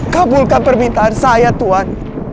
kabulkan permintaan saya tuhan